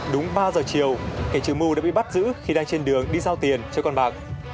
đúng ba giờ chiều cảnh trừ mu đã bị bắt giữ khi đang trên đường đi giao tiền cho con bạc